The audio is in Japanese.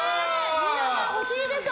皆さん、欲しいでしょ？